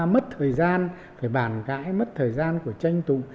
mất thời gian phải bàn cãi mất thời gian của tranh tụ